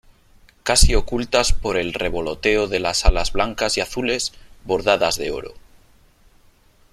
casi ocultas por el revoloteo de las alas blancas y azules bordadas de oro .